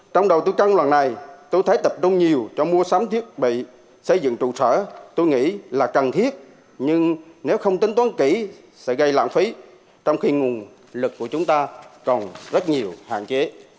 trong đầu tư chăn lần này tôi thấy tập trung nhiều cho mua sắm thiết bị xây dựng trụ sở tôi nghĩ là cần thiết nhưng nếu không tính toán kỹ sẽ gây lãng phí trong khi nguồn lực của chúng ta còn rất nhiều hạn chế